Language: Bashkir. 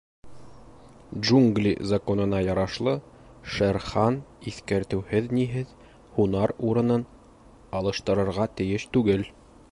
— Джунгли Законына ярашлы, Шер Хан иҫкәртеүһеҙ-ниһеҙ һунар урынын алыштырырға тейеш түгел.